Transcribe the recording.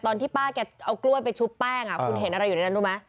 ตอนที่ป้าแกเอากล้วยไปชุบแป้งคุณเห็นอะไรอยู่ในนั้นรู้ไหม